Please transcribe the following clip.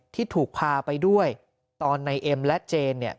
ที่ถูกพาไปด้วยตอนในเอ็มและเจนเนี่ย